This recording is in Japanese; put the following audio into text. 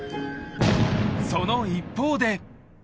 ［その一方で］